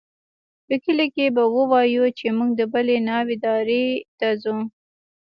په کلي کښې به ووايو چې موږ د بلې ناوې دايرې ته ځو.